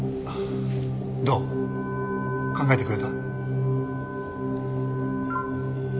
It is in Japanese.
どう？考えてくれた？